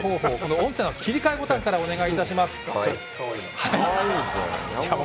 音声の切り替えボタンからお願いします。